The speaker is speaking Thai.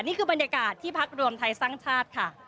นี่คือบรรยากาศที่พักรวมไทยสร้างชาติค่ะ